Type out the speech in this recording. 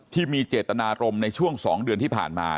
ที่มีเจตนารมณ์ในช่วง๒เดือนที่ผ่านมา